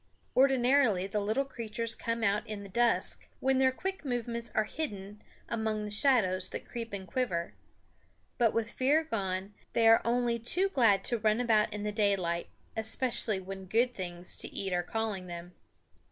Ordinarily the little creatures come out in the dusk, when their quick movements are hidden among the shadows that creep and quiver. But with fear gone, they are only too glad to run about in the daylight, especially when good things to eat are calling them.